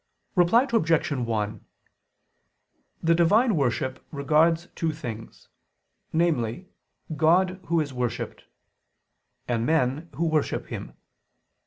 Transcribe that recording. Reply Obj. 1: The divine worship regards two things: namely, God Who is worshipped; and men, who worship Him.